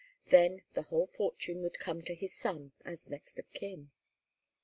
Then the whole fortune would come to his son as next of kin.